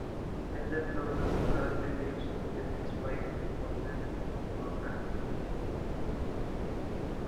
Lyndon Lawless currently lives with his wife in Portland, Oregon.